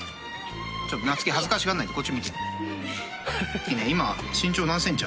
ちょっと夏希恥ずかしがらないでこっち見てよ。